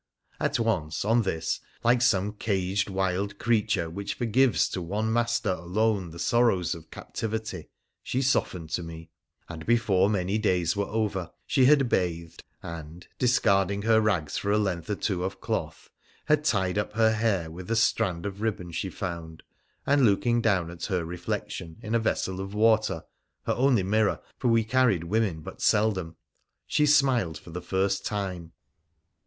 At once, on this, like some caged wild creature, which forgives to one master alone the sorrows of captivity, she softened to me ; and before many days were over she had bathed, and, discarding her rags for a length or two of cloth, had tied up her hair with a strand of ribbon she found, and, looking down at her reflection in a vessel of water (her only mirror, for we carried women but seldom), she smiled for the first time.